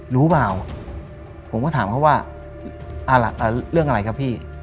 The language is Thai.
รู้เปล่าผมก็ถามเขาว่าเรื่องอะไรครับพี่